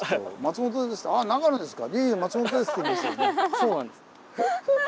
そうなんです。